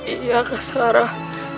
iya kak sarah